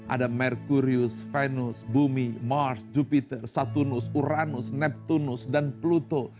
ada mercurius venus bumi mars jupiter satunus uranus neptunus dan pluto